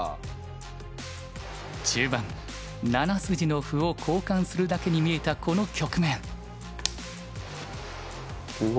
中盤７筋の歩を交換するだけに見えたこの局面。